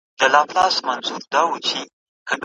کله به د افغانستان او پاکستان لوبه پیل شي؟